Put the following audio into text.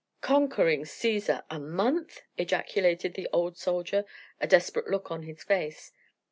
"Conquering Caesar! A month!" ejaculated the old soldier, a desperate look on his face.